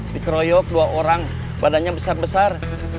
dikeroyok dua orang badannya besar besar